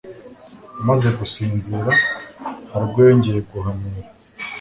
amaze gusinzira, hari ubwo yongeye guhanura